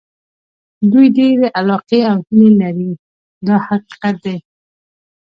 دوی ډېرې علاقې او هیلې لري دا حقیقت دی.